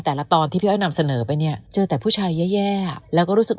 ตอนที่พี่อ้อยนำเสนอไปเนี่ยเจอแต่ผู้ชายแย่แล้วก็รู้สึก